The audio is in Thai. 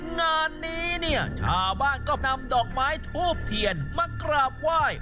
งานนี้เนี่ยชาวบ้านก็นำดอกไม้ทูบเทียนมากราบไหว้